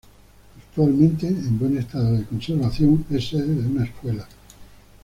Actualmente, en buen estado de conservación, es sede de una escuela.